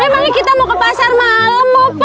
emangnya kita mau ke pasar malam